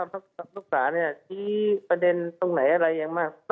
ซับลูกศาเนี่ยวันนี้ประเด็นตรงไหนอะไรยังมีมาก